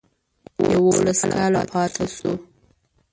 یوولس کاله پاته شو.